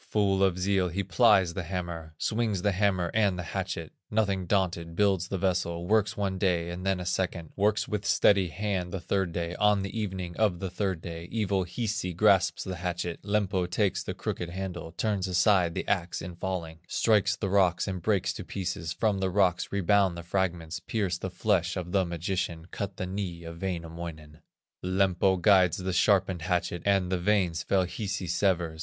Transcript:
Full of zeal he plies the hammer, Swings the hammer and the hatchet; Nothing daunted, builds the vessel, Works one day and then a second, Works with steady hand the third day; On the evening of the third day, Evil Hisi grasps the hatchet, Lempo takes the crooked handle, Turns aside the axe in falling, Strikes the rocks and breaks to pieces; From the rocks rebound the fragments, Pierce the flesh of the magician, Cut the knee of Wainamoinen. Lempo guides the sharpened hatchet, And the veins fell Hisi severs.